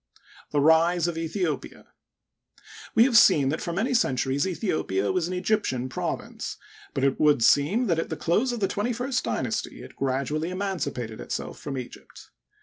The Rise of Aethiopia. — We have seen that for many centuries Aethiopia was an Egyptian province, but it would seem that at the close of the twenty first dynasty it gradually emancipated itself from Egypt.